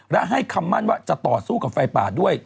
และให้คำมั่นว่าจะต่อสู้กับไฟป่าด้วย